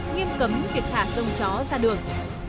nghiêm cấm việc thả sông chó ra đường